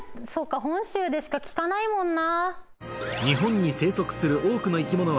本州でしか聞かないもんな。